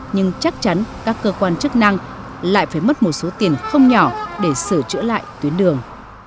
nhưng chắc chắn các cơ quan chức năng lại phải mất một số tiền không nhỏ để sửa chữa lại tuyến đường